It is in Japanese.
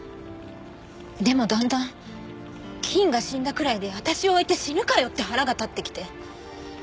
でもだんだん菌が死んだくらいで私を置いて死ぬかよって腹が立ってきて。